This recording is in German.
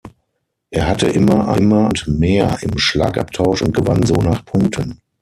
Er hatte immer eine Hand mehr im Schlagabtausch und gewann so nach Punkten.